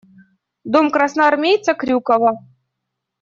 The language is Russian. Дом красноармейца Крюкова.